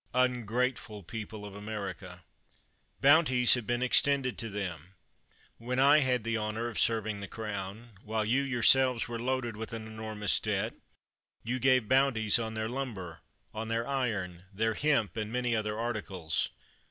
Ungrate ful people of America ! Bounties have been ex tended to them. When I had the honor of 202 CHATHAM serving the Crown, while you yourselves were loaded with an enormous debt, you gave bounties on their lumber, on their iron, their hemp, and many other articles.